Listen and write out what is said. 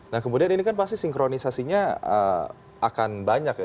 nah kemudian ini kan pasti sinkronisasinya akan banyak ya